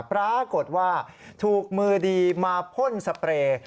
ปรากฏว่าถูกมือดีมาพ่นสเปรย์